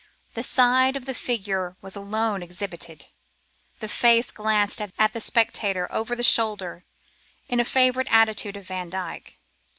The side of the figure was alone exhibited, and the face glanced at the spectator over the shoulder, in a favourite attitude of Vandyke.